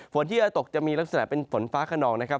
ฝนที่จะตกจะมีลักษณะเป็นฝนฟ้าขนองนะครับ